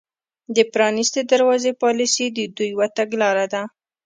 د پرانیستې دروازې پالیسي د دوی یوه تګلاره ده